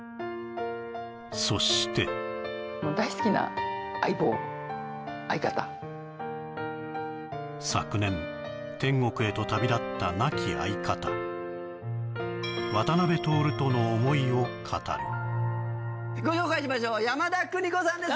そして昨年天国へと旅立った亡き相方渡辺徹との思いを語るご紹介しましょう山田邦子さんです